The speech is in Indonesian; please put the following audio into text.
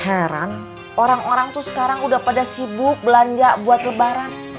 heran orang orang tuh sekarang udah pada sibuk belanja buat lebaran